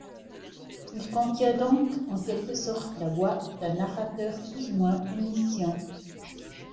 Il contient donc en quelque sorte la voix d'un narrateur plus ou moins omniscient.